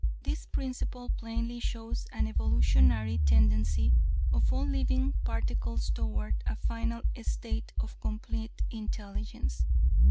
This principle plainly shows an evolutionary tendency of all living particles toward a final state of complete intelligence.